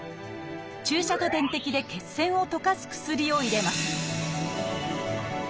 注射と点滴で血栓を溶かす薬を入れます